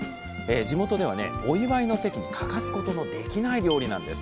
地元ではねお祝いの席に欠かすことのできない料理なんです。